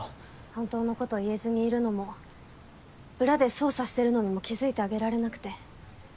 本当のこと言えずにいるのも裏で捜査してるのにも気づいてあげられなくて。